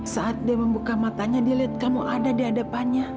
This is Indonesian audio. saat dia membuka matanya dia lihat kamu ada di hadapannya